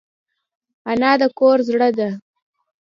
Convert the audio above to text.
انا د کور زړه ده